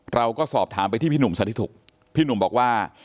เราก็สอบถามไปที่พี่หนุ่มสาธิถูกพี่หนุ่มบอกว่า